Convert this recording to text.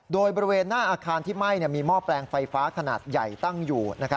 โดยบริเวณหน้าอาคารที่ไหม้มีหม้อแปลงไฟฟ้าขนาดใหญ่ตั้งอยู่